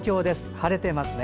晴れていますね。